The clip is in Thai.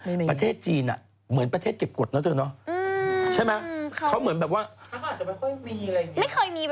มาในประเทศจีนเหมือนประเทศเก็บกฏเนอะเธอเนอะ